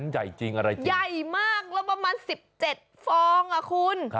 ใหญ่จริงอะไรใหญ่มากแล้วประมาณ๑๗ฟองอ่ะคุณ